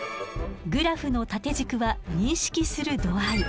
グラフの縦軸は認識する度合い。